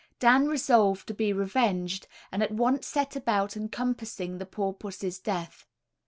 Dan resolved to be revenged, and at once set about encompassing the poor pussy's death.